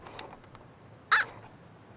あっ！